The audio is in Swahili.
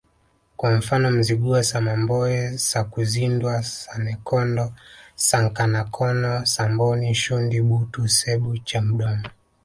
kwa mfano Mzigua Samamboe Sakuzindwa Sannenkondo Sankanakono Samboni Shundi Butu Sebbo Chamdoma